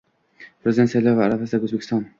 Prezident saylovi arafasidagi O‘zbekiston